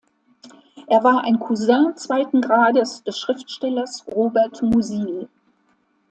Er war ein Cousin zweiten Grades des Schriftstellers Robert Musil.